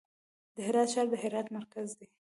د هرات ښار د هرات مرکز دی